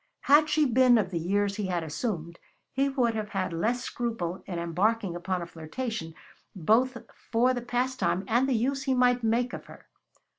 Had she been of the years he had assumed, he would have had less scruple in embarking upon a flirtation, both for the pastime and the use he might make of her.